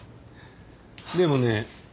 でもね